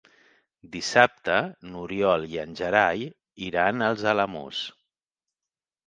Dissabte n'Oriol i en Gerai iran als Alamús.